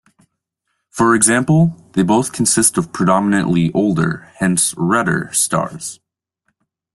For example, they both consist of predominately older, hence redder, stars.